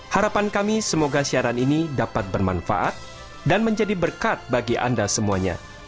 harapan kami semoga siaran ini dapat bermanfaat dan menjadi berkat bagi anda semuanya